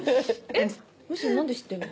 えっむしろ何で知ってんの？